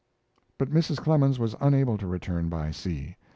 But Mrs. Clemens was unable to return by sea.